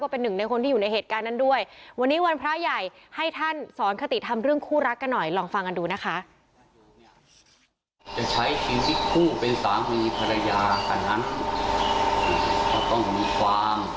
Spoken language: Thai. เป็นหนึ่งในคนที่อยู่ในเหตุการณ์นั้นด้วยวันนี้วันพระใหญ่ให้ท่านสอนคติธรรมเรื่องคู่รักกันหน่อยลองฟังกันดูนะคะ